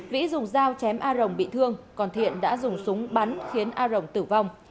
vĩ dùng dao chém a rồng bị thương còn thiện đã dùng súng bắn khiến a rồng tử vong